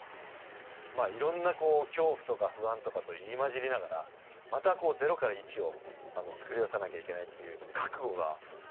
いろんな恐怖とか不安とかと入り交じりながらまた０から１を作り出さなきゃいけないっていう。